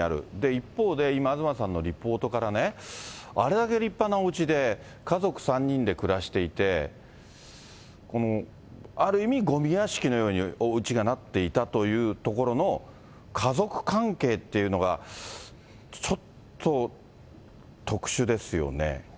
一方で、今、東さんのリポートからね、あれだけ立派なおうちで、家族３人で暮らしていて、このある意味、ごみ屋敷のようにおうちがなっていたというところの家族関係っていうのが、ちょっと特殊ですよね。